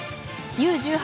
Ｕ１８